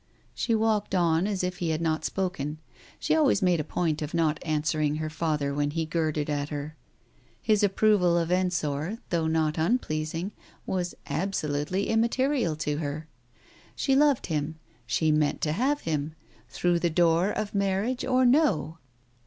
She walked on as if he had not spoken. She always made a point of not answering her father when he girded at her. His approval of Ensor, though not unpleasing, Digitized by Google 242 TALES OF THE UNEASY was absolutely immaterial to her. She loved him, she meant to have him, through the door of marriage or no.